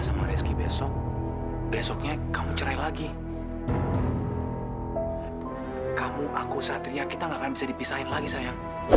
sampai jumpa di video selanjutnya